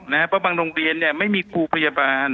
เพราะบางโรงเรียนเนี่ยไม่มีครูพยาบาล